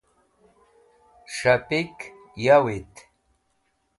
s̃hapik yawit